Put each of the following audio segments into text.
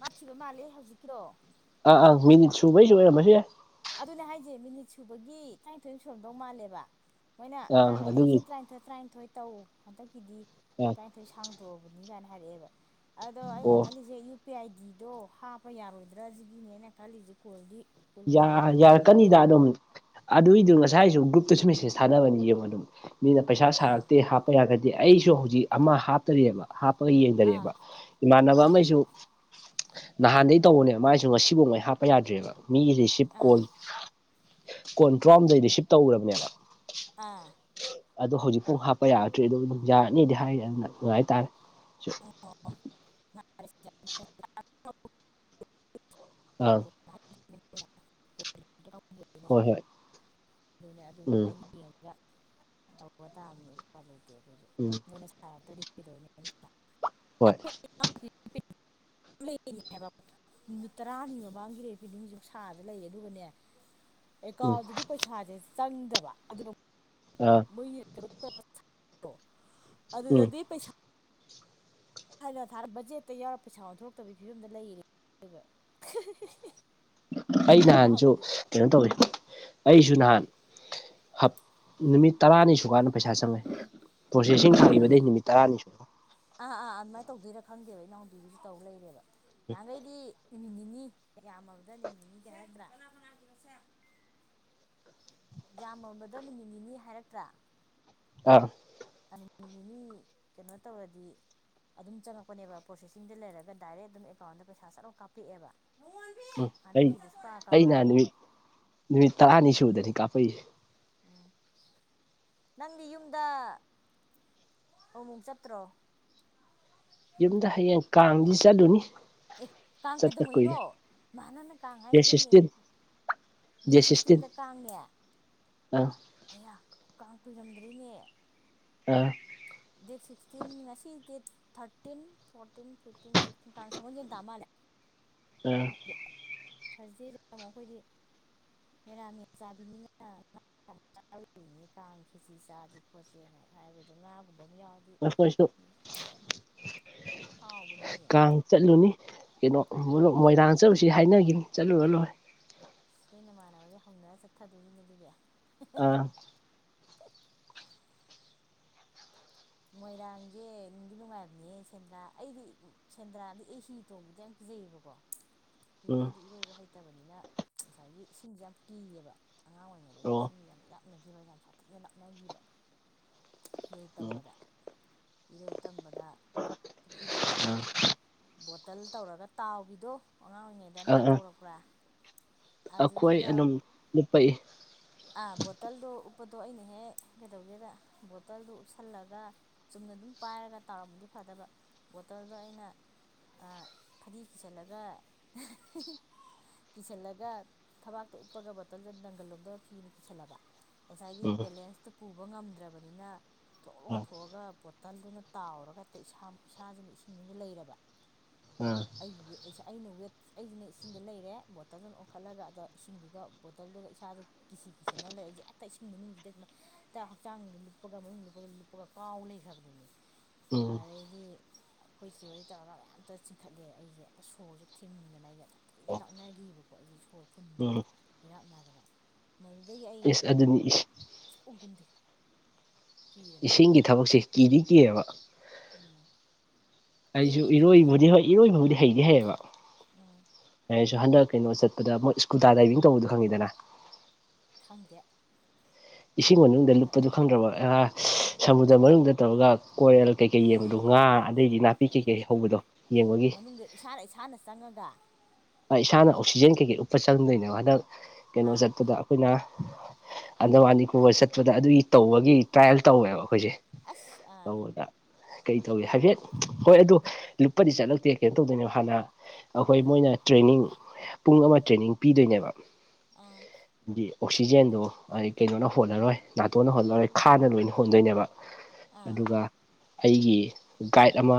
ꯃꯊꯤꯕ ꯃꯥꯂꯦ ꯍꯧꯖꯤꯛꯀꯤꯔꯣ ꯑꯥ ꯑꯪ ꯃꯤꯅꯤꯠ ꯁꯨꯕꯩꯁꯨꯣꯏꯔꯃꯁ ꯌꯥꯦ ꯑꯗꯨꯅꯦ ꯍꯥꯏꯁꯦ ꯃꯤꯅꯤꯠ ꯁꯨꯕꯒꯤ ꯇꯔꯥꯅꯤꯊꯣꯏ ꯁꯨꯔꯝꯗꯧ ꯃꯥꯜꯂꯦꯕ ꯃꯣꯏꯅ ꯑꯪ ꯑꯉꯥꯡꯈꯩꯅ ꯑꯗꯨꯒꯤ ꯏꯆꯦ ꯇꯔꯥꯅꯤꯊꯣꯏ ꯇꯔꯥꯅꯤꯊꯣꯏ ꯇꯧ ꯍꯟꯗꯛꯀꯤꯗꯤ ꯎꯝ ꯊꯣꯏ ꯁꯥꯡꯇꯣꯛꯑꯕꯅꯤ ꯀꯥꯏꯅ ꯍꯥꯏꯔꯛꯑꯦꯕ ꯑꯗꯣ ꯑꯩꯅ ꯑꯣ ꯈꯜꯂꯤꯁꯦ ꯄꯤ ꯑꯥꯏ ꯗꯤꯗꯣ ꯍꯥꯞꯄ ꯌꯥꯔꯣꯏꯗ꯭ꯔꯥ ꯁꯤꯒꯤꯅꯦꯅ ꯈꯜꯂꯤꯁꯤꯦ ꯀꯣꯜꯗꯤ ꯀꯜꯂꯝꯗꯣꯏ ꯌꯥ ꯌꯥꯔꯛꯀꯅꯤꯗ ꯑꯗꯨꯝ ꯑꯗꯨꯏꯗꯨ ꯉꯁꯥꯏꯁꯨ ꯒ꯭ꯔꯨꯞꯇꯁꯨ ꯃꯦꯁꯦꯖ ꯊꯥꯅꯕꯅꯤ ꯌꯦꯡꯉꯣ ꯑꯗꯨꯝ ꯃꯤꯅ ꯄꯩꯁꯥ ꯑꯥ ꯁꯥꯔꯛꯇꯦ ꯍꯥꯞꯄ ꯌꯥꯔꯒꯗꯤ ꯑꯩꯁꯨ ꯍꯧꯖꯤꯛ ꯑꯃ ꯍꯥꯞꯇꯔꯤꯑꯕ ꯍꯥꯞꯄꯒ ꯑꯥ ꯌꯦꯡꯊꯔꯑꯦꯕ ꯏꯃꯥꯟꯅꯕ ꯑꯥ ꯑꯃꯒꯤꯁꯨ ꯅꯍꯥꯟꯗꯒꯤꯩ ꯇꯧꯕꯅꯦꯕ ꯃꯥꯏꯁꯨ ꯉꯁꯤꯐꯥꯎ ꯃꯣꯏ ꯍꯥꯞꯄ ꯌꯥꯗ꯭ꯔꯦꯕ ꯃꯤꯒꯤ ꯔꯤꯁꯤꯞ ꯑꯥ ꯀꯣꯜ ꯀꯣꯟ ꯇꯔꯥꯍꯨꯝꯗꯩ ꯔꯤꯁꯤꯞ ꯇꯧꯈ꯭ꯔꯕꯅꯦꯕ ꯑꯥ ꯑꯗꯣ ꯍꯧꯖꯤꯛꯐꯥꯎ ꯍꯥꯞꯄ ꯌꯥꯗ꯭ꯔꯤ ꯑꯗꯨ ꯑꯗꯨꯝ ꯌꯥꯔꯅꯤꯗꯤ ꯍꯥꯏ ꯑꯗꯨꯅ ꯅꯨꯡꯉꯥꯏꯇꯥꯔꯦ ꯑꯣꯣ ꯑ ꯍꯣꯏ ꯍꯣꯏ ꯑꯗꯨꯅꯦ ꯎꯝ ꯑꯗꯨꯃꯥꯏꯅ ꯌꯦꯡꯉꯒ ꯇꯧꯕ ꯇꯥꯕꯅꯤ ꯎꯄ ꯂꯩꯇꯦ ꯑꯩꯈꯣꯏꯁꯨ ꯎꯝ ꯑꯩꯈꯣꯏꯅ ꯁꯥꯔꯗꯗꯤ ꯀꯤꯗꯧꯅꯤ ꯑꯩꯈꯣꯏꯗ ꯍꯣꯏ ꯂꯩꯅꯦ ꯍꯥꯏꯕ ꯅꯨꯃꯤꯠ ꯇꯔꯥꯅꯤ ꯃꯃꯥꯡꯒꯤ ꯔꯦꯕꯦꯅꯤ ꯍꯧꯖꯤꯛ ꯁꯥꯗ ꯂꯩꯌꯦ ꯑꯗꯨꯒꯅꯦ ꯎꯝ ꯑꯦꯀꯥꯎꯟꯗꯗꯤ ꯄꯩꯁꯥꯁꯦ ꯆꯪꯗꯕ ꯑꯗꯨ ꯎꯝ ꯃꯣꯏꯒꯤ ꯀꯩꯅꯣ ꯇꯧꯕ ꯎꯝ ꯑꯗꯨꯗꯗꯤ ꯄꯩꯁꯥ ꯊꯅ ꯊꯥ ꯕꯖꯦꯠꯇ ꯌꯥꯎꯔ ꯄꯩꯁꯥ ꯑꯣꯟꯊꯣꯔꯛꯇꯕꯒꯤ ꯐꯤꯕꯝꯗ ꯂꯩꯔꯦ ꯑꯗꯨꯒ ꯑꯩ ꯅꯍꯥꯟꯁꯨ ꯑꯦꯀꯥꯎꯟꯗꯗꯤ ꯀꯩꯅꯣ ꯇꯧꯋꯤ ꯑꯩꯁꯨ ꯅꯍꯥꯟ ꯅꯨꯃꯤꯠ ꯇꯔꯥꯅꯤ ꯁꯨꯀꯥꯟꯗ ꯄꯩꯁꯥ ꯆꯪꯉꯦ ꯄ꯭ꯔꯣꯁꯦꯁꯤꯡ ꯑꯗꯨꯅꯦ ꯊꯥꯒꯤꯕꯗꯩ ꯍꯥꯏꯁꯦ ꯅꯨꯃꯤꯠ ꯇꯔꯥꯅꯤ ꯁꯨꯔ ꯑꯥ ꯑꯥ ꯑꯗꯨꯃꯥꯏꯅ ꯇꯧꯗꯣꯏꯔꯥ ꯈꯪꯗꯦꯕ ꯏꯅꯥꯎꯄꯤꯒꯤꯁꯨ ꯇꯧ ꯂꯩꯔꯦꯕ ꯅꯍꯥꯟꯈꯩꯗꯤ ꯅꯨꯃꯤꯠ ꯅꯤꯅꯤ ꯌꯥꯝꯃꯕꯗ ꯅꯨꯃꯤꯠ ꯅꯤꯅꯤ ꯀꯩ ꯍꯥꯏꯕ꯭ꯔꯥ ꯌꯥꯝꯃꯕꯗ ꯅꯨꯃꯤꯠ ꯅꯤꯅꯤ ꯍꯥꯏꯔꯛꯇ꯭ꯔꯥ ꯑꯥ ꯅꯨꯃꯤꯠ ꯅꯤꯅꯤ ꯀꯩꯅꯣ ꯇꯧꯔꯗꯤ ꯑꯗꯨꯝ ꯆꯪꯉꯛꯄꯅꯦꯕ ꯄ꯭ꯔꯣꯁꯦꯁꯤꯡꯗ ꯂꯩꯔꯒ ꯗꯥꯏꯔꯦꯛ ꯑꯗꯨꯝ ꯑꯦꯀꯥꯎꯟꯗ ꯄꯩꯁꯥ ꯆꯠ ꯂꯧ ꯀꯥꯞꯄꯛꯑꯦꯕ ꯎꯝ ꯑꯩ ꯍꯟꯗꯛꯀꯤꯗꯤ ꯁꯨꯀꯥ ꯑꯩꯅ ꯀꯥꯞꯄꯛꯇ꯭ꯔꯦ ꯅꯨꯃꯤꯠ ꯅꯨꯃꯤꯠ ꯇꯔꯥꯅꯤ ꯁꯨꯕꯗꯅꯤ ꯀꯥꯞꯄꯛꯏꯁꯦ ꯑꯣꯥ ꯅꯪꯗꯤ ꯌꯨꯝꯗ ꯑꯃꯨꯛ ꯃꯨꯛ ꯆꯠꯇ꯭ꯔꯣ ꯌꯨꯝꯗ ꯍꯌꯦꯡ ꯀꯥꯡꯗꯤ ꯆꯠꯂꯨꯅꯤ ꯑꯦ ꯀꯥꯡ ꯆꯠꯄ ꯀꯨꯏꯔꯦ ꯀꯗꯧꯉꯩꯅꯣ ꯃꯥꯅ ꯀꯥꯡ ꯗꯦꯠ ꯍꯥꯏꯔ ꯁꯤꯛꯁꯇꯤꯟ ꯅꯤꯡꯖꯤꯡꯉꯦ ꯗꯦꯠ ꯁꯤꯛꯁꯇꯤꯟꯗ ꯀꯥꯡꯅꯦ ꯑꯥ ꯑꯌꯥ ꯀꯥꯡ ꯀꯨꯏꯔꯝꯗ꯭ꯔꯤꯅꯦ ꯑ ꯗꯦꯠ ꯁꯤꯛꯁꯇꯤꯟ ꯉꯁꯤ date thirteen fourteen fifteen sixteen ꯀꯥꯡ ꯁꯒꯣꯟꯁꯦꯟ ꯇ ꯃꯥꯜꯂꯦ ꯎꯝ ꯊꯥꯔꯁꯗꯦꯗ ꯇ ꯑꯃꯨꯛ ꯑꯩꯈꯣꯏꯗꯤ ꯃꯦꯔꯥ ꯃꯦꯁ ꯆꯥꯕꯤꯅꯤꯅ ꯆꯥꯔꯨꯗꯔꯤꯅꯦ ꯀꯥꯡ ꯈꯤꯁꯤ ꯆꯥꯁꯤ ꯈꯣꯠꯁꯦ ꯍꯥꯏꯕꯗꯣ ꯉꯥꯒꯨꯝꯕ ꯑꯃ ꯌꯥꯎ ꯑꯩꯈꯣꯏ ꯁꯨ ꯍꯥꯎꯕꯅꯤꯅꯦ ꯆꯠꯂꯨꯅꯤ ꯀꯩꯅꯣ ꯃꯣꯏꯔꯥꯡ ꯆꯠꯂꯨꯁꯤ ꯍꯥꯏꯅꯈꯤꯅꯤ ꯆꯠꯂꯨꯔ ꯂꯣꯏꯔꯦ ꯅꯣꯏ ꯏꯃꯥꯟꯅꯕꯒꯩ ꯍꯧꯅꯔꯒ ꯆꯠꯊꯗꯣꯏꯅꯦ ꯑꯗꯨꯗꯤ ꯑꯥ ꯃꯣꯏꯔꯥꯡꯁꯦ ꯅꯨꯡꯗꯤ ꯅꯨꯡꯉꯥꯏꯕꯅꯦ ꯁꯦꯟꯗ꯭ꯔꯥ ꯑꯩꯗꯤ ꯁꯦꯟꯗ꯭ꯔꯥꯗ ꯑꯩ ꯍꯤ ꯇꯣꯡꯕꯗꯤ ꯌꯥꯝ ꯀꯤꯖꯩꯌꯦꯕꯀꯣ ꯎꯝ ꯍꯤꯗꯩꯗꯤ ꯏꯔꯣꯏꯕ ꯍꯩꯇꯕꯅꯤꯅ ꯉꯁꯥꯏꯒꯤ ꯏꯁꯤꯡꯁꯦ ꯌꯥꯝ ꯀꯤꯌꯦꯕ ꯑꯉꯥꯡ ꯑꯣꯏꯔꯤꯉꯩꯗꯒꯤ ꯑꯣ ꯁꯤꯁꯤꯡꯅꯤ ꯌꯥꯝ ꯏꯔꯥꯛꯅꯈꯤꯕ ꯌꯥꯝ ꯁꯥꯊꯤꯅ ꯂꯥꯛꯅꯈꯤꯕ ꯂꯣꯏ ꯎꯝ ꯇꯝꯕꯗ ꯏꯔꯣꯏ ꯇꯝꯕꯗ ꯄꯨꯈ꯭ꯔꯤꯗ ꯑꯩꯈꯣꯏꯒꯤ ꯑꯥ ꯕꯣꯇꯜ ꯇꯧꯔꯒ ꯇꯥꯎꯕꯤꯗꯣ ꯑꯉꯥꯡ ꯑꯣꯏꯔꯤꯉꯩꯗ ꯑꯥ ꯅꯣꯏ ꯑꯥ ꯇꯧꯔꯛꯄ꯭ꯔꯥ ꯑꯩꯈꯣꯏ ꯑꯗꯨꯗꯨꯗ ꯑꯗꯨꯝ ꯂꯨꯞꯄꯛꯏ ꯑꯥ ꯕꯣꯇꯜꯗꯣ ꯎꯞꯄꯗꯣ ꯑꯩꯅ ꯍꯦꯛ ꯀꯩꯗꯧꯒꯦꯗ ꯕꯣꯇꯜꯗꯣ ꯎꯞꯁꯜꯂꯒ ꯆꯨꯝꯅ ꯑꯗꯨꯝ ꯄꯥꯏꯔꯒ ꯇꯥꯎꯔꯝꯕꯗꯤ ꯐꯗꯧꯕ ꯕꯣꯇꯜꯗꯣ ꯑꯩꯅ ꯐꯗꯤ ꯀꯤꯁꯜꯂꯒ ꯀꯤꯁꯜꯂꯒ ꯊꯕꯥꯛꯇ ꯎꯞꯄꯒ ꯕꯣꯇꯜꯗ ꯅꯪꯒꯜ ꯂꯣꯝꯗ ꯐꯤꯅ ꯀꯤꯁꯜꯂꯕ ꯉꯁꯥꯏꯒꯤ ꯎꯝ ꯕꯦꯂꯦꯟꯁꯇꯣ ꯄꯨꯕ ꯉꯝꯗ꯭ꯔꯕꯅꯤꯅ ꯊꯣꯛ ꯑꯥ ꯂꯣꯡꯊꯣꯛꯑꯒ ꯕꯣꯇꯜꯗꯨꯅ ꯇꯥꯎꯔꯒ ꯏꯁꯥ ꯏꯁꯥꯁꯤꯅ ꯏꯁꯤꯡꯗꯨꯗ ꯂꯩꯔꯕ ꯑꯥ ꯑꯩꯒꯤ ꯑꯩꯁꯦ ꯑꯩꯅ ꯋꯦꯠ ꯑꯩꯁꯤꯅ ꯏꯁꯤꯡꯗ ꯂꯩꯔꯦ ꯕꯣꯇꯜꯗꯅ ꯑꯣꯟꯈꯠꯂꯒ ꯑꯗ ꯏꯁꯤꯡꯗꯨꯒ ꯕꯣꯇꯜꯗꯨꯒ ꯏꯁꯥꯗꯨ ꯀꯤꯁꯤ ꯀꯤꯁꯟꯂꯒ ꯂꯩꯔꯛꯏꯁꯦ ꯍꯦꯛꯇ ꯏꯁꯤꯡ ꯃꯅꯨꯡꯁꯤꯗ ꯁꯨꯃꯥꯏꯅ ꯍꯦꯛꯇ ꯍꯛꯆꯥꯡꯗ ꯂꯨꯞꯄꯒ ꯃꯅꯨꯡ ꯂꯨꯞꯄꯒꯨꯞ ꯑꯗꯨꯒ ꯀꯥꯎ ꯂꯩꯈ꯭ꯔꯕꯅꯤꯅꯦ ꯎꯝ ꯑꯗꯩꯗꯤ ꯑꯩꯈꯣꯏ ꯆꯦꯍꯣꯏ ꯇꯧꯔꯒ ꯀ ꯆꯤꯡꯈꯠꯂꯦ ꯑꯩꯁꯦ ꯑ ꯁꯣꯔꯁꯦ ꯊꯤꯡꯗꯅ ꯑꯩꯁꯦ ꯌꯥꯝ ꯊꯤꯅ ꯂꯥꯛꯅꯈꯤꯕꯀꯣ ꯀꯣ ꯑꯩꯁꯦ ꯁꯣꯔ ꯐꯨꯟꯗꯅ ꯎꯝ ꯏꯔꯥꯛꯅꯗꯅ ꯃꯗꯨꯗꯒꯤ ꯑꯩ ꯏꯁ ꯑꯗꯨꯅꯤ ꯏꯁ ꯁꯨꯛꯀꯨꯝ ꯀꯨꯝꯗꯦ ꯀꯤꯗꯅ ꯏꯁꯤꯡꯒꯤ ꯊꯕꯛꯁꯦ ꯀꯤꯗꯤ ꯀꯤꯑꯕ ꯎꯝ ꯏꯔꯣꯏ ꯑꯩꯁꯨ ꯍꯩꯇ꯭ꯔꯣ ꯅꯪ ꯏꯔꯣꯏꯕꯨꯗꯤ ꯍꯣꯏ ꯏꯔꯣꯏꯕꯕꯨꯗꯤ ꯍꯩꯗꯤ ꯍꯩꯌꯦꯕ ꯎꯝ ꯌꯥꯥꯏꯔꯁꯨ ꯍꯟꯗꯛ ꯀꯩꯅꯣ ꯆꯠꯄꯗ ꯃꯣꯏ ꯁꯀꯨꯗ ꯗꯥꯏꯚꯤꯡ ꯇꯧꯕꯗꯣ ꯈꯪꯉꯤꯗꯅ ꯈꯪꯗꯦ ꯏꯁꯤꯡ ꯃꯅꯨꯡꯗ ꯀꯃꯥꯏꯅ ꯇꯧ ꯂꯨꯞꯄꯗꯨ ꯈꯪꯗ꯭ꯔꯕ ꯁꯃꯨꯗ꯭ꯔ ꯃꯅꯨꯡꯗ ꯇꯧꯔꯒ ꯀꯦꯜ ꯀꯩꯀꯩ ꯌꯦꯡꯕꯗꯣ ꯉꯥ ꯑꯗꯩꯗꯤ ꯅꯥꯄꯤ ꯀꯩꯀꯩ ꯍꯧꯕꯗꯣ ꯌꯦꯡꯕꯒꯤ ꯃꯅꯨꯡꯗ ꯏꯁꯥꯅ ꯏꯁꯥꯅ ꯆꯪꯉꯒ ꯑꯩ ꯏꯁꯥꯅ ꯑꯣꯛꯁꯤꯖꯦꯟ ꯀꯩꯀꯩ ꯎꯞꯄ ꯆꯪꯗꯣꯏꯅꯦꯕ ꯍꯟꯗꯛ ꯀꯩꯅꯣ ꯑꯥ ꯆꯠꯄꯗ ꯑꯩꯈꯣꯏꯅ ꯑꯟꯗꯋꯥ ꯅꯤꯀꯣꯕꯔ ꯆꯠꯄꯗ ꯑꯗꯨꯒꯤ ꯇꯧꯕꯒꯤ ꯇ꯭ꯔꯥꯏꯌꯦꯜ ꯇꯧꯋꯦꯕ ꯑꯩꯈꯣꯏꯁꯦ ꯑꯁ ꯑꯥ ꯇꯧꯕꯗ ꯀꯩ ꯇꯧꯏꯤ ꯍꯥꯏꯐꯦꯠ ꯍꯣꯏ ꯑꯗꯨ ꯂꯨꯄꯗꯤ ꯆꯠꯂꯛꯇꯦ ꯀꯩꯅꯣ ꯇꯧꯗꯣꯏꯅꯦ ꯍꯥꯟꯅ ꯑꯩꯈꯣꯏ ꯃꯣꯏꯅ ꯇ꯭ꯔꯦꯅꯤꯡ ꯄꯨꯡ ꯑꯃ ꯇ꯭ꯔꯦꯅꯤꯡ ꯄꯤꯗꯣꯏꯅꯦꯕ ꯑꯥ ꯗꯤ ꯑꯣꯛꯁꯤꯖꯦꯟꯗꯣ ꯀꯩꯅꯣꯅ ꯍꯣꯜꯂꯔꯣꯏ ꯅꯥꯇꯣꯟꯅ ꯍꯣꯠꯅꯂꯔꯣꯏ ꯈꯥꯅ ꯂꯣꯏꯅ ꯍꯣꯟꯗꯣꯏꯅꯦꯕ ꯑꯥ ꯑꯗꯨꯒ ꯑꯩꯒꯤ ꯒꯥꯏꯗ ꯑꯃ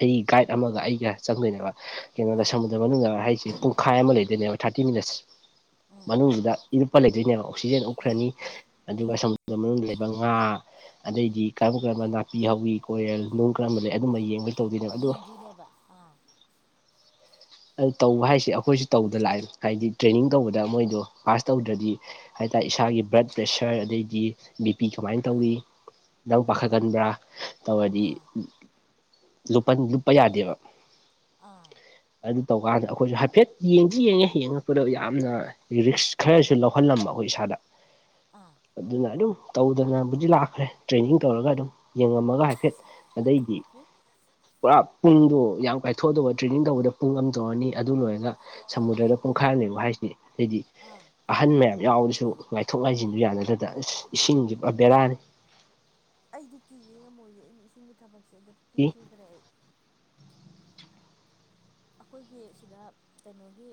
ꯑꯩꯒꯤ ꯒꯥꯏꯗ ꯑꯃꯒ ꯑꯩꯒ ꯆꯪꯗꯣꯏꯅꯦꯕ ꯀꯩꯅꯣꯗ ꯁ ꯑꯥ ꯑꯗꯣ ꯃꯅꯨꯡꯗ ꯍꯥꯏꯁꯦ ꯄꯨꯡꯈꯥꯏ ꯑꯃ ꯂꯩꯗꯣꯏꯅꯦꯕ ꯊꯥꯔꯇꯤ ꯃꯤꯅꯠꯁ ꯎꯝ ꯃꯅꯨꯡꯗꯨꯗ ꯏꯔꯨꯞꯄ ꯂꯩꯗꯣꯏꯅꯦꯕ ꯑꯣꯛꯁꯤꯖꯦꯟ ꯎꯝ ꯎꯞꯈ꯭ꯔꯅꯤ ꯑꯗꯨꯒ ꯎꯝ ꯁꯣꯝꯗ ꯃꯅꯨꯡꯗ ꯂꯩꯕ ꯉꯥ ꯑꯗꯩꯗꯤ ꯀꯔꯝ ꯀꯔꯝꯕ ꯅꯥꯄꯤ ꯍꯥꯎꯋꯤ ꯀꯣꯏꯔꯦꯜ ꯅꯨꯡ ꯀꯔꯝꯕ ꯂꯩ ꯑꯗꯨꯝꯕ ꯌꯦꯡꯕꯁꯤ ꯌꯦꯡꯗꯣꯏꯅꯦꯕ ꯑꯥ ꯑꯗꯨ ꯇꯧꯕ ꯍꯥꯏꯁꯦ ꯑꯩꯈꯣꯏꯁꯨ ꯇꯧꯗ ꯂꯥꯛꯑꯦ ꯍꯥꯏꯗꯤ ꯇ꯭ꯔꯦꯅꯤꯡ ꯇꯧꯕꯗ ꯃꯣꯏꯗꯣ ꯄꯥꯁ ꯇꯧꯗ꯭ꯔꯗꯤ ꯍꯥꯏ ꯇꯔꯦ ꯏꯁꯥꯒꯤ ꯕ꯭ꯂꯠ ꯄ꯭ꯔꯦꯁꯔ ꯑꯗꯩꯗꯤ ꯕꯤꯄꯤ ꯀꯃꯥꯏꯅ ꯇꯧꯋꯤ ꯑꯥ ꯅꯪ ꯄꯥꯈꯠꯀꯟꯕ꯭ꯔꯥ ꯇꯧꯔꯗꯤ ꯑꯥ ꯂꯨꯄꯥ ꯂꯨꯄꯥ ꯌꯥꯗꯦꯕ ꯑꯥ ꯑꯗꯨ ꯇꯧꯀꯥꯟꯗ ꯑꯩꯈꯣꯏꯁꯨ ꯍꯥꯏꯐꯦꯠ ꯌꯦꯡꯗꯤ ꯌꯦꯡꯉꯦ ꯌꯦꯡꯉꯛꯄꯗ ꯌꯥꯝꯅ ꯔꯤꯛꯁ ꯈꯔꯁꯨ ꯂꯧꯍꯜꯂꯝꯕ ꯑꯩꯈꯣꯏ ꯏꯁꯥꯗ ꯑꯥ ꯑꯗꯨꯅ ꯑꯗꯨꯝ ꯇꯧꯗꯅꯕꯨꯗꯤ ꯂꯥꯛꯈ꯭ꯔꯦ ꯇ꯭ꯔꯦꯅꯤꯡ ꯇꯧꯔꯒ ꯑꯗꯨꯝ ꯌꯦꯡꯉꯝꯃꯒ ꯍꯥꯏꯐꯦꯠ ꯑꯗꯩꯗꯤ ꯄꯨꯔꯥ ꯄꯨꯡꯗꯣ ꯌꯥꯝ ꯀꯥꯏꯊꯣꯛꯑꯗꯕ ꯇ꯭ꯔꯦꯅꯤꯡ ꯇꯧꯕꯗ ꯄꯨꯡ ꯑꯃ ꯇꯧꯔꯅꯤ ꯑꯗꯨ ꯂꯣꯏꯔꯒ ꯑꯥ ꯁꯃꯨꯗ꯭ꯔꯗ ꯄꯨꯡꯈꯥꯏ ꯑꯃ ꯍꯥꯏꯁꯤꯗꯤ ꯑꯩꯗꯤ ꯑꯥ ꯑꯍꯟ ꯃꯌꯥꯝ ꯌꯥꯎꯔꯁꯨ ꯉꯥꯏꯊꯣꯛ ꯉꯥꯏꯁꯤꯟꯗꯨ ꯌꯥꯅꯗꯗ ꯑꯁ ꯏꯁꯤꯡꯁꯦ ꯕꯦꯔꯥꯅꯤ ꯑꯩꯗꯤ ꯀꯤꯔꯦ ꯉꯝꯃꯣꯏꯔꯦ ꯑꯅꯦ ꯏꯁꯤꯡꯒꯤ ꯊꯕꯛꯁꯦ ꯑꯗꯨ ꯏ ꯀꯤꯈꯤꯈ꯭ꯔꯦ ꯑꯩ ꯑꯩꯈꯣꯏꯒꯤ ꯁꯤꯗ ꯀꯩꯅꯣꯒꯤ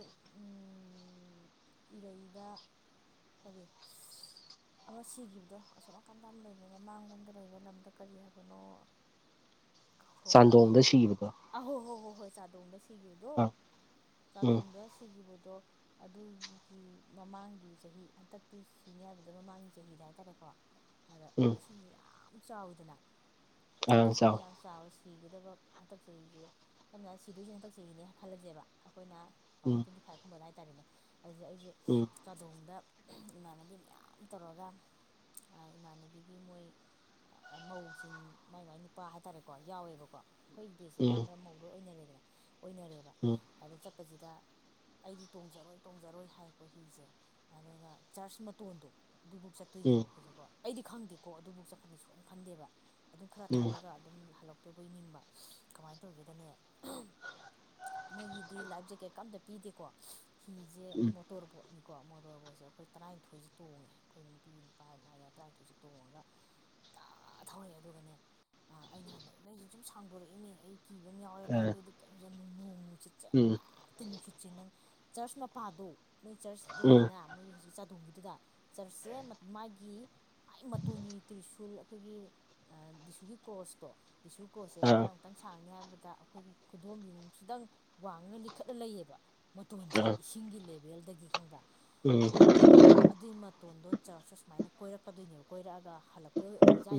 ꯏꯔꯩꯗ ꯑꯗꯣ ꯑꯃ ꯁꯤꯈꯤꯕꯗꯣ ꯑꯁꯣꯝ ꯅꯥꯀꯟꯗ ꯂꯩꯕ ꯃꯃꯥꯡꯂꯣꯝꯗ ꯂꯩꯕ ꯂꯝꯗꯣ ꯀꯔꯤ ꯍꯥꯏꯕꯅꯣ ꯀꯥꯎꯊꯣꯛꯈ꯭ꯔꯦꯅꯦ ꯆꯥꯟꯗꯣꯡꯗ ꯁꯤꯈꯤꯕꯗꯣ ꯑꯍꯣ ꯍꯣ ꯍꯣꯏ ꯍꯣꯏ ꯆꯥꯗꯣꯡꯗ ꯁꯤ ꯁꯤꯈꯤꯕꯗꯣ ꯑꯥ ꯎꯝ ꯆꯥꯗꯣꯡꯗ ꯁꯤꯈꯤꯕꯗꯣ ꯑꯗꯨꯒꯤ ꯃꯃꯥꯡꯒꯤ ꯆꯍꯤ ꯍꯟꯇꯛꯇꯤ ꯁꯤꯅꯤ ꯍꯥꯏꯕꯗꯣ ꯃꯃꯥꯡꯒꯤ ꯆꯍꯤꯗ ꯍꯥꯏꯇꯥꯔꯦꯀꯣ ꯑꯗ ꯎꯝ ꯏꯁꯤꯡꯁ ꯌꯥꯝ ꯆꯥꯎꯋꯤꯗꯅ ꯏꯁꯤꯡꯁꯦ ꯌꯥꯝ ꯆꯥꯎ ꯆꯥꯎꯔ ꯁꯤꯒꯗꯕ ꯍꯟꯇꯛ ꯆꯍꯤꯁꯦ ꯁꯝꯅ ꯍꯥꯏ ꯁꯤꯗꯣꯏꯁꯤꯅ ꯍꯟꯇꯛ ꯆꯍꯤꯅꯦ ꯈꯜꯂꯁꯦꯕ ꯑꯩꯈꯣꯏꯅ ꯇꯨ ꯊꯥꯎꯖꯟ ꯎꯝ ꯇ꯭ꯋꯇꯤ ꯐꯥꯏꯚꯀꯨꯝꯕ ꯍꯥꯏꯇꯥꯔꯅꯦ ꯑꯗꯨꯗ ꯑꯩꯁꯦ ꯎꯝ ꯆꯥꯗꯣꯡꯗ ꯏꯃꯥꯟꯅꯕꯤ ꯃꯌꯥꯝ ꯇꯧꯔꯒ ꯏꯃꯥꯟꯅꯕꯤꯒꯤ ꯃꯣꯏ ꯃꯧꯁꯤꯡ ꯃꯥꯏ ꯃꯥꯏ ꯅꯨꯄꯥ ꯍꯥꯏꯇꯥꯔꯦꯀꯣ ꯌꯥꯎꯋꯦꯕꯀꯣ ꯑꯩꯈꯣꯏꯒꯤ ꯕꯦꯁꯦ ꯎꯝ ꯌꯥꯝꯅ ꯃꯧ ꯂꯣꯏ ꯑꯣꯏꯅꯔꯦꯗꯅ ꯑꯣꯏꯅꯔꯦꯕ ꯎꯝ ꯑꯗ ꯆꯠꯄꯁꯤꯗ ꯑꯩꯗꯤ ꯇꯣꯡꯖꯔꯣꯏ ꯇꯣꯡꯖꯔꯣꯏ ꯍꯥꯏꯀꯣ ꯍꯤꯁꯦ ꯑꯗꯨꯒ ꯆꯔꯆ ꯃꯇꯣꯟꯗꯣ ꯑꯗꯨꯐꯧ ꯆꯠꯇꯣꯏꯅꯦꯕ ꯎꯝ ꯑꯩꯈꯣꯏꯁꯦꯀꯣ ꯑꯩꯗꯤ ꯈꯪꯗꯦꯀꯣ ꯑꯗꯨꯐꯥꯎ ꯆꯠꯈꯟꯅꯤ ꯁꯣꯏꯅ ꯈꯟꯗꯦꯕ ꯑꯗꯨꯝ ꯈꯔ ꯎꯝ ꯊꯧꯔꯒ ꯑꯗꯨꯝ ꯍꯜꯂꯛꯇꯣꯏꯕꯩ ꯅꯤꯡꯕ ꯀꯃꯥꯏꯅ ꯇꯧꯒꯦꯗꯅꯦ ꯃꯣꯏꯒꯤꯗꯤ ꯂꯥꯏꯐ ꯖꯦꯀꯦꯠ ꯀꯝꯇ ꯄꯤꯗꯦꯀꯣ ꯍꯤꯁꯦ ꯎꯝ ꯃꯣꯇꯣꯔꯕꯣꯠꯅꯤꯀꯣ ꯕꯣꯁꯦ ꯑꯩꯈꯣꯏ ꯇꯔꯥꯅꯤꯊꯣꯏꯁꯦ ꯇꯣꯡꯉꯦ ꯑꯩꯈꯣꯏ ꯅꯨꯄꯤ ꯅꯨꯄꯥ ꯂ ꯌꯥ ꯇꯔꯥꯅꯤꯊꯣꯏꯁꯦ ꯇꯣꯡꯉꯒ ꯇ ꯊꯧꯔꯛꯑꯦ ꯑꯗꯨꯒꯅꯦ ꯑꯩꯅ ꯍꯥꯏꯕ ꯅꯣꯏꯁꯦ ꯁꯨꯝ ꯁꯥꯡꯗꯣꯔꯛꯏꯅꯦ ꯑꯩ ꯀꯤꯕ ꯑꯃ ꯌꯥꯎꯔꯦꯗ ꯑꯥ ꯑꯩꯈꯣꯏꯗꯤ ꯀꯩꯝꯁ ꯅꯨꯡꯣꯡ ꯅꯨꯡꯁꯤꯤꯠ ꯆ ꯎꯝ ꯍꯦꯛꯇ ꯅꯨꯡꯁꯤꯠꯁꯦ ꯅꯪ ꯆꯔꯆ ꯃꯄꯥꯗꯣ ꯅꯣꯏ ꯆꯔꯆ ꯎꯝ ꯌꯧꯋꯤꯗꯅ ꯃꯣꯏ ꯍꯧꯖꯤꯛ ꯆꯥꯗꯣꯡꯒꯤꯗꯨꯗ ꯆꯔꯆꯁꯦ ꯃꯥꯒꯤ ꯃꯥꯏ ꯃꯇꯣꯒꯤ ꯇ꯭ꯔꯤꯁꯨꯜ ꯑꯩꯈꯣꯏꯒꯤ ꯗꯤꯁꯨꯒꯤ ꯀꯣꯔꯁꯇꯣ ꯗꯤꯁꯨ ꯀꯣꯔꯁꯁꯦ ꯑꯥ ꯀꯗꯥꯏꯃꯨꯛꯇꯪ ꯁꯥꯡꯅꯤ ꯍꯥꯏꯕꯗ ꯑꯩꯈꯣꯏꯒꯤ ꯈꯨꯗꯣꯝ ꯌꯨꯡꯁꯤꯗꯪ ꯋꯥꯡꯉ ꯂꯤꯈꯠꯂ ꯂꯩꯌꯦꯕ ꯃꯇꯣꯟꯁꯦ ꯑꯥ ꯏꯁꯤꯡꯒꯤ ꯂ ꯕꯦꯜꯗꯒꯤ ꯈꯪꯕꯥ ꯎꯝ ꯑꯗꯨꯒ ꯑꯗꯨꯒꯤ ꯃꯇꯣꯟꯗꯣ ꯆꯔꯥꯛꯁꯨ ꯁꯨꯃꯥꯏꯅ ꯀꯣꯏꯔꯛꯀꯗꯣꯏꯅꯦꯕꯀꯣ ꯀꯣꯏꯔꯛꯑꯒ ꯍꯜꯂꯛꯇꯣꯏ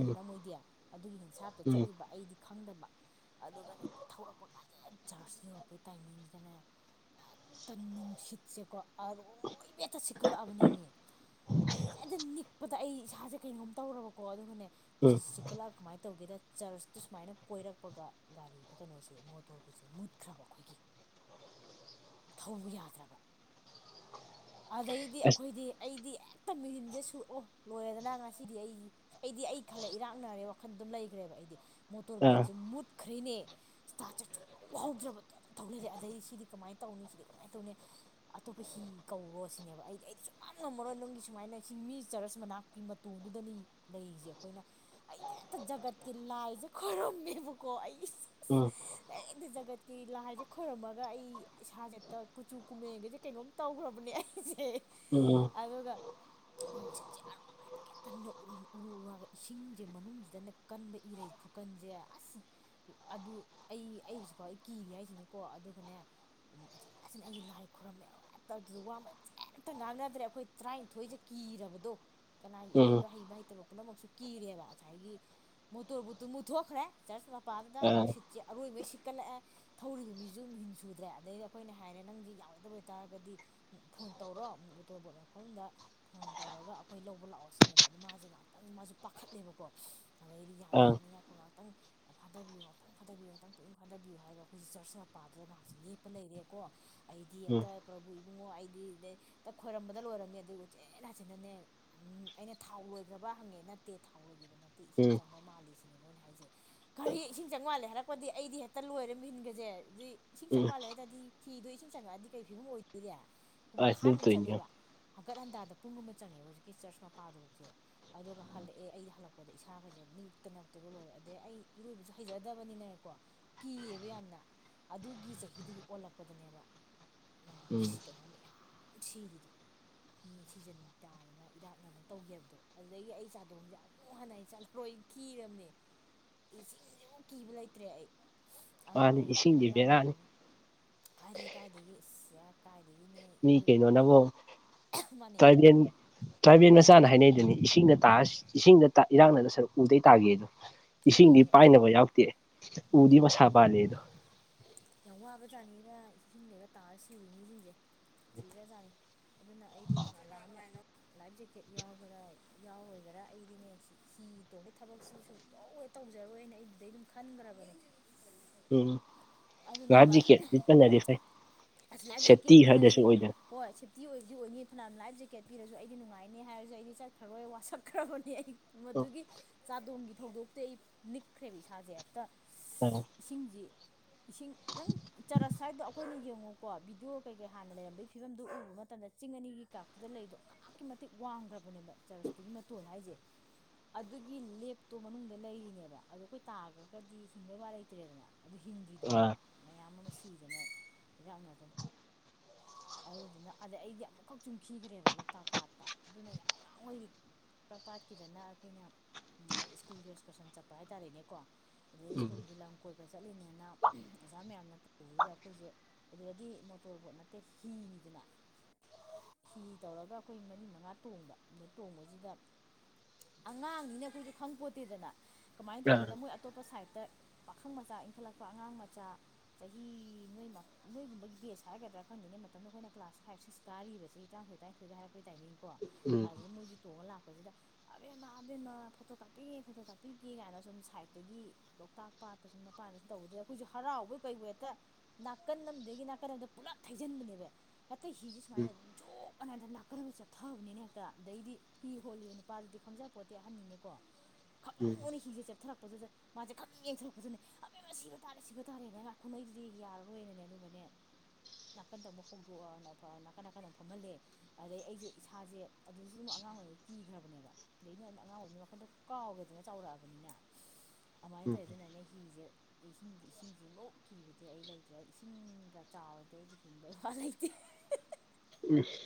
ꯎꯝ ꯃꯣꯏꯗꯤ ꯑꯗꯨꯒꯤ ꯍꯤꯟꯁꯥꯞꯇ ꯎꯝ ꯆꯠꯂꯤꯕ ꯑꯩꯗꯤ ꯈꯪꯗꯕ ꯑꯗꯨꯒꯅꯦ ꯊꯧꯔꯛꯄ ꯀꯥꯟꯗ ꯐꯖ ꯆꯥꯔꯆ ꯌꯧꯔꯛꯄꯩ ꯇꯥꯏꯃꯤꯗꯅꯦ ꯍꯦꯛꯇ ꯅꯨꯡꯁꯤꯠꯁꯦꯀꯣ ꯑꯔ ꯂꯣꯏꯕꯦꯠꯇ ꯁꯤꯛꯈꯠꯂꯛꯑꯕꯅꯦꯃꯤ ꯑꯩꯁꯦ ꯑꯗ ꯅꯤꯛ ꯄꯗ ꯑꯩ ꯏꯁꯥꯁꯦ ꯀꯩꯅꯣꯝ ꯇꯧꯔꯕꯀꯣ ꯑꯗꯨꯒꯅꯦ ꯎꯝ ꯅꯨꯡꯁꯤꯠꯁꯦ ꯆ ꯀꯟꯈꯠꯂꯛꯑ ꯀꯃꯥꯏꯅ ꯇꯧꯒꯦꯗ ꯆꯔꯁꯇꯨ ꯁꯨꯃꯥꯏꯅ ꯀꯣꯏꯔꯛꯄꯒ ꯒꯥꯔꯤ ꯀꯩꯅꯣꯁꯦ ꯃꯣꯇꯣꯔꯕꯨꯠꯁꯦ ꯃꯨꯠꯈ꯭ꯔꯕ ꯑꯩꯈꯣꯏꯒꯤ ꯊꯧ ꯌꯥꯗ꯭ꯔꯕ ꯑꯗꯩꯗꯤ ꯑꯁ ꯑꯩꯈꯣꯏꯗꯤ ꯑꯩꯗꯤ ꯍꯦꯛꯇ ꯃꯍꯟꯁꯦ ꯁꯨꯔꯑꯣ ꯂꯣꯏꯔꯦꯗꯅ ꯉꯁꯤꯗꯤ ꯑꯩꯗꯤ ꯑꯩꯗꯤ ꯑꯩ ꯈꯜꯂꯦ ꯏꯔꯥꯛꯅꯔꯦ ꯋꯥꯈꯜ ꯑꯗꯨꯝ ꯂꯩꯈ꯭ꯔꯦꯕ ꯑꯩꯗꯤ ꯑꯥ ꯃꯣꯇꯣꯔꯕꯣꯠꯁꯦ ꯃꯨꯠꯈ꯭ꯔꯔꯤꯅꯦ ꯏꯁꯇꯥ ꯆ ꯆꯥꯎꯍꯥꯎꯗ꯭ꯔꯕꯗꯣ ꯑꯗꯨꯝ ꯊꯧ ꯂꯩꯔꯦ ꯑꯗꯩꯗꯤ ꯁꯤꯗꯤ ꯀꯃꯥꯏꯅ ꯇꯧꯅꯤ ꯁꯤꯗꯤ ꯀꯃꯥꯏꯅ ꯇꯧꯅꯤ ꯑꯇꯣꯞꯄ ꯍꯤ ꯀꯧꯔꯣ ꯁꯤꯅꯦꯕ ꯑꯩꯗꯤ ꯑꯩꯗꯤ ꯁꯨꯡ ꯉꯝꯃꯔꯣꯏ ꯅꯪꯒꯤ ꯁꯨꯃꯥꯏꯅ ꯁꯤꯤꯡ ꯃꯤ ꯆꯔꯁ ꯃꯅꯥꯛꯀꯤ ꯃꯇꯣꯟꯗꯨꯗꯅꯤ ꯂꯩꯁꯦ ꯑꯩꯈꯣꯏꯅ ꯑꯩꯗꯤ ꯍꯦꯛꯇ ꯖꯒꯠꯀꯤ ꯂꯥꯏꯁꯦ ꯈꯣꯏꯔꯝꯃꯦꯕꯀꯣ ꯑꯩ ꯑꯁ ꯎꯝ ꯅꯗ ꯖꯥꯒꯠꯀꯤ ꯂꯥꯏꯁꯦ ꯈꯣꯏꯔꯝꯃꯒ ꯑꯩ ꯏꯁꯥꯁꯦ ꯀꯨꯆꯨ ꯀꯨꯃꯦꯟꯒꯁꯦ ꯀꯩꯅꯣꯝ ꯇꯧꯈ꯭ꯔꯕ ꯕꯅꯤꯏꯁꯦ ꯎꯝ ꯑꯗꯨꯒ ꯅꯨꯡꯁꯤꯠꯁꯦ ꯑꯔ ꯍꯥꯏꯕ ꯀꯦ ꯇꯗ ꯎꯔꯨꯔꯒ ꯏꯁꯤꯡꯁꯦ ꯃꯅꯨꯡꯁꯤꯗꯅ ꯀꯟꯕ ꯏꯔꯩ ꯈꯨꯔꯀꯟꯁꯦ ꯑꯁ ꯑꯗꯨ ꯑꯩ ꯑꯩ ꯍꯧꯖꯤꯛꯐꯥꯎ ꯑꯩ ꯀꯤꯔꯤ ꯍꯥꯏꯁꯤꯅꯤꯀꯣ ꯑꯗꯨꯒꯅꯦ ꯎꯆꯦꯅꯥꯆꯅ ꯑꯩꯁꯤ ꯂꯥꯏ ꯈꯨꯣꯏꯔꯝꯃꯦ ꯂꯣꯏ ꯇꯧ ꯑꯗꯨꯗ ꯋꯥ ꯃꯟꯁꯦ ꯑꯝꯇ ꯉꯥꯡꯅꯗ꯭ꯔꯦ ꯑꯩꯈꯣꯏ ꯇꯔꯥꯅꯤꯊꯣꯏꯁꯦ ꯀꯤꯔꯕꯗꯣ ꯀꯅꯥ ꯎꯝ ꯏꯔꯣꯏꯕ ꯍꯩꯕ ꯍꯩꯇꯕ ꯄꯨꯝꯅꯃꯛꯁꯨ ꯀꯤꯔꯦꯕ ꯉꯁꯥꯏꯒꯤ ꯃꯣꯇꯣꯔꯕꯨꯠꯇꯨ ꯃꯨꯊꯣꯛꯈ꯭ꯔꯦ ꯆꯔꯆ ꯃꯄꯥꯗꯨꯗ ꯑꯥ ꯅꯨꯡꯁꯤꯠ ꯆꯦ ꯑꯔꯣꯏꯕꯩ ꯁꯤꯛꯀꯠꯂꯛꯑꯦ ꯊꯧꯔꯤꯕ ꯃꯤꯁꯨ ꯑꯗꯨꯝ ꯍꯤꯟ ꯁꯨꯗ꯭ꯔꯦ ꯑꯗꯩꯗꯤ ꯑꯩꯈꯣꯏꯅ ꯍꯥꯏꯔꯦ ꯅꯪꯁ ꯌꯥꯎꯔꯣꯏꯗꯕ ꯑꯣꯏꯇꯥꯔꯒꯗꯤ ꯐꯣꯟ ꯇꯧꯔꯣ ꯑꯣꯇꯣꯔꯕꯣꯠ ꯃꯐꯝꯗ ꯐꯣꯟ ꯇꯧꯔꯒ ꯑꯩꯈꯣꯏ ꯂꯧꯕ ꯂꯥꯛꯑꯣ ꯁꯤꯅꯦꯕ ꯑꯗꯨ ꯃꯥꯁꯦ ꯉꯥꯏꯍꯥꯛꯇꯪꯁ ꯃꯥꯁꯨ ꯄꯥꯈꯠꯂꯦꯕꯀꯣ ꯑꯗꯩꯗꯤ ꯌꯥꯅꯤ ꯑꯥ ꯌꯥꯅꯤꯉꯥꯏꯈꯣ ꯉꯥꯏꯍꯥꯛꯇꯪ ꯐꯥꯗꯕꯤꯌꯨ ꯉꯥꯛꯪ ꯐꯊꯕꯤꯌꯨ ꯉꯥꯛꯇꯪ ꯄꯨꯛꯅꯤꯡ ꯐꯥꯗꯕꯤꯌꯨ ꯍꯥꯏꯔꯒ ꯑꯩꯈꯣꯏꯁꯦ ꯆꯔꯆ ꯃꯄꯥꯗꯨꯒ ꯉꯥꯏꯍꯥꯛꯦ ꯂꯦꯞꯄ ꯂꯩꯔꯦꯀꯣ ꯑꯩꯗꯤ ꯎꯝ ꯍꯦꯛꯇ ꯄ꯭ꯔꯕꯨꯨ ꯏꯕꯨꯡꯉꯣ ꯑꯩꯗꯤ ꯍꯦꯛꯇ ꯈꯣꯏꯔꯝꯕꯗ ꯂꯣꯏꯔꯝꯃꯦ ꯑꯗꯨ ꯎ ꯎꯆꯦ ꯍꯥꯆꯤꯟꯅꯅꯦ ꯎꯝ ꯑꯩꯅ ꯊꯥꯎ ꯂꯣꯏꯈ꯭ꯔꯕ ꯍꯪꯉꯦ ꯅꯠꯇꯦ ꯊꯥꯎ ꯂꯣꯏꯈꯤꯕ ꯅꯠꯇꯦ ꯏꯁꯤꯡ ꯎꯝ ꯆꯪꯕ ꯃꯥꯜꯂꯤ ꯁꯤꯅꯦ ꯃꯣꯏꯅ ꯍꯥꯏ ꯍꯥꯏꯁꯦ ꯈꯔꯤ ꯏꯁꯤꯡ ꯆꯥꯝꯉꯥꯜꯂꯦ ꯍꯥꯏꯔꯛꯄꯗꯤ ꯑꯩꯗꯤ ꯍꯦꯛꯇ ꯂꯣꯏꯔ ꯏꯟꯒꯁꯦ ꯑꯗꯨꯏ ꯏꯁꯤꯡ ꯎꯝ ꯆꯪꯝꯉꯥꯜꯂꯦ ꯍꯥꯏꯔꯗꯤ ꯍꯤꯗꯣ ꯏꯁꯤꯡ ꯆꯪꯉꯛꯑꯗꯤ ꯀꯔꯤ ꯐꯤꯕꯝ ꯑꯣꯏꯗꯣꯔꯤ ꯑꯁ ꯑꯗꯨ ꯄꯨꯡꯈꯥꯏꯃꯨꯛ ꯇꯧꯏꯅꯦ ꯆꯠꯂꯦꯕ ꯍꯪꯀꯠ ꯍꯟꯗꯥꯗ ꯄꯨꯡ ꯑꯃ ꯆꯪꯉꯦꯕ ꯍꯧꯖꯤꯛꯀꯤ ꯆꯔꯆ ꯃꯄꯥꯗꯨꯕꯧꯁꯦ ꯑꯗꯨꯒ ꯍꯜꯂꯛꯑꯦ ꯑꯩ ꯍꯜꯂꯛꯄꯗ ꯏꯁꯥꯒꯁꯦ ꯅꯤꯛꯇ ꯑꯝꯇꯣꯏꯕ ꯂꯣꯏꯔꯦ ꯑꯗꯩ ꯑꯩ ꯏꯔꯣꯏꯕꯁꯨ ꯍꯩꯖꯗꯕꯅꯤꯅꯀꯣ ꯀꯤꯌꯦꯕ ꯌꯥꯝꯅ ꯑꯗꯨꯒꯤ ꯆꯍꯤꯗꯨꯒꯤ ꯑꯣꯜꯂꯛꯄꯗꯅꯦꯕ ꯎꯝ ꯁꯤ ꯀꯩꯅꯣ ꯃꯌꯥꯝ ꯁꯤꯔꯤꯗꯣ ꯃꯤ ꯁꯤꯖꯤꯟ ꯇꯥꯗꯅ ꯏꯔꯥꯛꯅꯗꯅ ꯇꯧꯒꯤ ꯍꯥꯏꯕꯗꯣ ꯑꯗꯨꯗꯒꯤ ꯑꯩ ꯆꯥꯗꯣꯡꯁꯦ ꯑꯝ ꯑꯃꯨꯛ ꯍꯥꯟꯟꯅ ꯑꯩ ꯆꯠꯂꯔꯣꯏ ꯀꯤꯔꯝꯅꯦ ꯏꯁꯤꯡꯁꯤꯃꯨꯛ ꯀꯤꯕ ꯂꯩꯇ꯭ꯔꯦ ꯑꯩ ꯑꯉꯥꯡ ꯃꯥꯅꯤ ꯑꯣꯏꯔꯤꯉꯩꯗꯖꯨ ꯏꯁꯤꯡꯗꯤ ꯕꯦꯔꯥꯅꯤ ꯏꯔꯥꯛꯅꯔꯤꯅꯦ ꯀꯥꯏꯗꯩ ꯀꯥꯏꯗꯒꯤ ꯗꯒꯤꯅꯦ ꯃꯤ ꯏꯔꯣꯏ ꯑꯩꯈꯣꯏ ꯀꯩꯅꯣꯅꯕꯨ ꯃꯥꯅꯦ ꯇ꯭ꯔꯥꯏꯕꯦꯜ ꯇ꯭ꯔꯥꯏꯕꯦꯜ ꯃꯆꯥꯅ ꯍꯥꯏꯅꯩꯗꯨꯅꯤ ꯏꯁꯤꯡꯗ ꯇꯥꯑ ꯎꯝ ꯏꯁꯤꯡꯗ ꯏꯔꯥꯡꯅꯗꯣꯏ ꯁꯔꯨꯛ ꯎꯗꯩ ꯇꯥꯒꯦꯗꯣ ꯍꯣꯏꯅꯦ ꯏꯁꯤꯡꯗꯤ ꯏꯁꯤꯡ ꯄꯥꯏꯅꯕ ꯌꯥꯎꯗꯦ ꯃꯥꯅꯦ ꯎꯗꯤ ꯃꯁꯥ ꯄꯥꯜꯂꯤ ꯑꯗꯣ ꯌꯥꯝ ꯋꯥꯕꯖꯥꯠꯅꯤꯗ ꯏꯁꯤꯡꯗꯒ ꯇꯥꯔ ꯁꯤꯔꯤ ꯃꯤꯁꯤꯡꯖꯦ ꯁꯥꯊꯤꯒꯔꯖꯥꯠꯅꯤ ꯑꯗꯨꯅ ꯑꯩꯗꯤ ꯐꯅꯥ ꯂꯥꯛꯑꯝ ꯂꯥꯏꯐ ꯖꯦꯀꯦꯠ ꯌꯥꯎꯒꯦꯔꯥ ꯌꯥꯎꯔꯣꯏꯒꯦꯔꯥ ꯑꯩꯗꯤꯅꯦ ꯍꯤ ꯇꯣꯡꯕꯩ ꯊꯕꯛꯁꯤ ꯁꯨꯡꯇꯣꯡ ꯇꯧꯖꯔꯣꯏꯅ ꯑꯩ ꯗꯨꯗꯩ ꯑꯗꯨꯝ ꯈꯟꯒꯔꯕꯅꯦ ꯎꯝ ꯂꯥꯏꯐ ꯖꯤꯀꯦꯠ ꯂꯤꯠꯄꯅꯗꯤ ꯐꯩ ꯑꯁ ꯂꯥꯏꯐ ꯁꯦꯞꯇꯤ ꯖꯦꯀꯦꯠ ꯈꯔꯗꯁꯨ ꯂꯤꯠꯂꯁꯨ ꯑꯣꯏꯗꯅ ꯍꯣꯏ ꯁꯦꯞꯇꯤ ꯑꯣꯏꯕꯨꯗꯤ ꯑꯣꯏꯅꯤ ꯐꯅꯌꯥꯝꯅ ꯂꯥꯏꯞ ꯖꯦꯀꯦꯠ ꯄꯤꯔꯁꯨ ꯑꯩꯗꯤ ꯅꯨꯡꯉꯥꯏꯅꯤ ꯍꯥꯏꯔꯁꯨ ꯑꯩꯗꯤ ꯆꯠꯈ꯭ꯔꯔꯣꯏ ꯋꯥꯁꯛꯈ꯭ꯔꯕꯅꯤ ꯑꯩ ꯑ ꯃꯗꯨꯒꯤ ꯆꯥꯗꯣꯡꯒꯤ ꯊꯧꯗꯣꯛꯇꯩ ꯑꯩ ꯅꯤꯛꯈ꯭ꯔꯦꯕ ꯏꯁꯥꯁꯦ ꯍꯦꯛꯇ [unintelligible] ꯏꯁꯤꯡꯁꯤ ꯏꯁꯤꯡ ꯅꯪ ꯆꯔꯁ ꯍꯥꯏꯗꯣ ꯑꯩꯈꯣꯏꯅ ꯌꯦꯡꯉꯨ ꯀꯣ ꯕꯤꯗꯤꯑꯣ ꯀꯩꯀꯩ ꯍꯥꯟꯅ ꯂꯩꯔꯝꯕꯩ ꯐꯤꯕꯝꯗꯨ ꯎꯕ ꯃꯇꯝꯗ ꯆꯤꯡ ꯑꯅꯤꯒꯤ ꯀꯥꯛꯇꯨꯗ ꯂꯩꯗꯣ ꯑꯛꯀꯤ ꯃꯇꯤꯛ ꯋꯥꯡꯒꯔꯕꯅꯦꯕ ꯆꯔꯁꯇꯨꯒꯤ ꯃꯇꯣꯟ ꯍꯥꯏꯁꯦ ꯑꯗꯨꯒꯤ ꯂꯦꯞꯇꯣ ꯃꯅꯨꯡꯗ ꯂꯩꯔꯤꯅꯦꯕ ꯑꯗꯨ ꯑꯩꯈꯣꯏ ꯇꯥꯈ꯭ꯔꯒꯗꯤ ꯍꯤꯡꯕꯩ ꯋꯥ ꯂꯩꯇ꯭ꯔꯦꯗꯅ ꯑꯗꯨ ꯑ ꯍꯤꯡꯗ꯭ꯔꯤꯗꯨꯅꯦꯕ ꯃꯌꯥꯝ ꯑꯃ ꯁꯤꯗꯅ ꯏꯔꯛꯅꯗꯅ ꯑꯗꯨꯗꯨꯅ ꯑꯗꯩ ꯑꯩꯗꯤ ꯑꯃꯨꯛꯈꯛ ꯁꯨꯃꯨꯛ ꯈꯤꯈ꯭ꯔꯦꯕ ꯂꯣꯛꯇꯥꯛ ꯄꯥꯠꯇ ꯑꯗꯨꯅ ꯌꯥꯝ ꯑꯉꯥꯡ ꯑꯣꯏꯔꯤ ꯇꯥꯛ ꯄꯥꯠꯀꯤꯗꯅ ꯑꯩꯈꯣꯏꯅ ꯁ꯭ꯀꯨꯜꯒꯤ ꯑꯦꯛꯁꯀꯔꯁꯟ ꯆꯠꯄ ꯍꯥꯏꯇꯥꯔꯦꯅꯦꯀꯣ ꯑꯗꯨꯗꯩ ꯎꯝ ꯁꯀꯨꯜꯒꯤ ꯂꯝ ꯀꯣꯏꯕ ꯆꯠꯂꯤꯅꯦꯅ ꯑꯣꯖꯥ ꯃꯌꯥꯝꯅ ꯄꯨꯕꯗꯨꯗ ꯑꯩꯈꯣꯏꯁꯦ ꯑꯗꯨꯗꯗꯤ ꯃꯣꯇꯣꯔꯕꯣꯠꯅ ꯍꯤꯅꯤꯗꯅ ꯍꯤ ꯇꯧꯔꯒ ꯑꯩꯈꯣꯏ ꯃꯔꯤ ꯃꯉꯥ ꯇꯣꯡꯕ ꯑꯗ ꯇꯣꯡꯕꯁꯤꯗ ꯑꯉꯥꯡꯅꯤꯅ ꯑꯩꯈꯣꯏꯗꯤ ꯈꯪꯄꯣꯠꯇꯦꯗꯅ ꯀꯃꯥꯏꯅ ꯑ ꯇꯧꯒꯦꯗ ꯃꯣꯏ ꯑꯇꯣꯞꯄ ꯁꯥꯏꯠꯇ ꯄꯥꯈꯪ ꯃꯆꯥ ꯏꯟꯈꯠꯂꯛꯄ ꯑꯉꯥꯡ ꯃꯆꯥ ꯆꯍꯤ ꯅꯣꯏꯃꯛ ꯅꯣꯏꯒꯨꯝꯕꯒꯤ ꯕꯦꯁ ꯍꯥꯏꯒꯗ꯭ꯔꯥ ꯈꯪꯗꯦꯅꯦ ꯃꯇꯝꯗꯣ ꯑꯩꯈꯣꯏꯅ ꯀ꯭ꯂꯥꯁ ꯐꯥꯏꯞ ꯁꯤꯛꯁ ꯀꯥꯔꯤꯕ ꯆꯍꯤ ꯇꯔꯥꯝꯊꯣꯏ ꯇꯔꯥꯏꯟꯊꯣꯏꯒ ꯍꯥꯏꯔꯛꯄꯩ ꯇꯥꯏꯃꯤꯡꯀꯣ ꯎꯝ ꯑꯗꯨꯗ ꯃꯣꯏꯁꯨ ꯇꯣꯡꯉ ꯂꯥꯛꯄꯁꯤꯗ ꯑꯕꯦꯟꯃ ꯑꯕꯦꯟꯃ ꯐꯣꯇꯣ ꯀꯥꯞꯄꯤꯒꯦ ꯐꯣꯇꯣ ꯀꯥꯞꯄꯤꯒꯦ ꯀꯥꯏꯅ ꯁꯨꯝ ꯁꯥꯏꯠꯇꯒꯤ ꯂꯣꯛꯇꯥꯛ ꯄꯥꯠꯇ ꯁꯨꯝ ꯃꯄꯥꯟꯗ ꯇꯧꯕꯗꯨꯗꯥ ꯑꯩꯈꯣꯏꯁꯨ ꯍꯔꯥꯎꯕꯣꯏ ꯀꯩꯕꯣꯏ ꯍꯦꯛꯇ ꯅꯥꯀꯟ ꯑꯝꯗꯒꯤ ꯅꯥꯀꯟ ꯑꯃꯗ ꯄꯨꯂꯞ ꯊꯩꯖꯤꯟꯕꯅꯦꯕ ꯍꯦꯛꯇ ꯍꯤꯁꯦ ꯁꯨꯃꯥꯏꯅ ꯆꯣꯞ ꯑꯅꯥ ꯍꯦꯛꯇꯥ ꯅꯀꯟ ꯑꯃꯥ ꯆꯦꯞꯊꯕꯅꯤꯅ ꯍꯦꯛꯇ ꯑꯗꯩꯗꯤ ꯍꯤ ꯍꯣꯜꯂꯤꯕ ꯅꯨꯄꯥꯗꯨꯗꯤ ꯈꯪꯖꯕꯄꯣꯠꯇꯦ ꯑꯍꯟꯅꯤꯅꯦꯀꯣ ꯎꯝ ꯎꯝ [unintelligible] ꯍꯤꯁꯦ ꯆꯦꯞꯊꯔꯛꯄꯗꯨꯗ ꯃꯥꯁꯦ ꯈꯪꯌꯦꯡ ꯌꯦꯡꯊꯣꯔꯛꯄꯗꯨꯅꯦ ꯑꯕꯦꯝꯃ ꯁꯤꯕ ꯇꯥꯔꯦ ꯁꯤꯕ ꯇꯥꯔꯦꯅꯦ ꯉꯥ ꯈꯨꯟꯅꯩꯗꯨꯗꯤ ꯌꯥꯔꯔꯣꯏꯅꯅꯦ ꯑꯗꯨꯒꯅꯦ ꯅꯥꯀꯟꯗ ꯑꯃꯨꯛ ꯍꯧꯗꯣꯛꯑ ꯅꯥꯀꯟ ꯅꯥꯀꯟꯗ ꯑꯃꯨ ꯐꯝꯃꯜꯂꯦ ꯑꯗꯩ ꯑꯩꯁꯦ ꯏꯁꯥꯁꯦ ꯑꯗꯨꯗꯁꯨ ꯑꯗꯨꯝ ꯑꯉꯥꯡ ꯑꯣꯏꯔꯤꯉꯩ ꯀꯤꯈ꯭ꯔꯕꯅꯦꯕ ꯑꯗꯩꯩꯅꯦ ꯑꯉꯥꯡ ꯑꯣꯏꯃꯤꯅ ꯋꯥꯈꯟꯗꯣ ꯀꯥꯎꯒꯔꯦꯗꯅ ꯆꯥꯎꯔꯛꯑꯕꯅꯤꯅ ꯑꯃꯥꯏ ꯇꯧꯋꯤ ꯎꯝ ꯑꯗꯨꯅꯅꯦ ꯍꯤꯁꯦ ꯏꯁꯤꯡꯗꯤ ꯏꯁꯤꯡꯁꯤꯃꯨꯛ ꯀꯤꯕꯗꯤ ꯑꯩ ꯂꯩꯇ꯭ꯔꯦ ꯏꯁꯤꯡꯒ ꯆꯥꯎꯔꯗꯤ ꯑꯩꯗꯤ ꯍꯤꯡꯕꯩ ꯋꯥ ꯂꯩꯇꯦ [unintelligible]